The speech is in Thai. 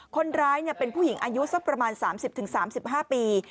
คนร้ายเป็นผู้หญิงอายุสักประมาณ๓๐๓๕ปี